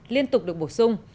liên tục được bổ sung